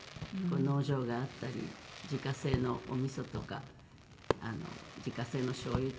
農場があったり自家製のおみそとか自家製のしょうゆとか。